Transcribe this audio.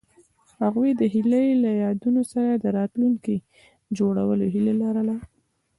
هغوی د هیلې له یادونو سره راتلونکی جوړولو هیله لرله.